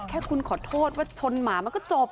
แค่คุณขอโทษว่าชนหมามันก็จบ